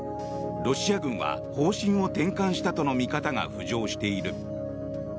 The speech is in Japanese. ロシア軍は方針を転換したとの見方が浮上している。